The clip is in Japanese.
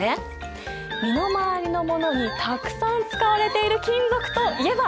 身の回りのものにたくさん使われている金属といえば？